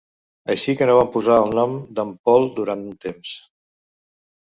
Així que no vam posar el nom d'en Paul durant un temps.